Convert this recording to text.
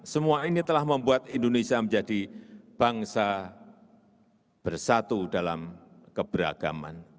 semua ini telah membuat indonesia menjadi bangsa bersatu dalam keberagaman